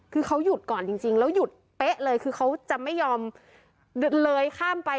คือเขาหยุดก่อนจริงแล้วหยุดเป๊ะเลยคือเขาจะไม่ยอมเลยข้ามไป